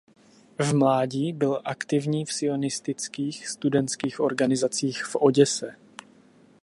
V mládí byl aktivní v sionistických studentských organizacích v Oděse.